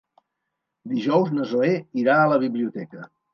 Dijous na Zoè irà a la biblioteca.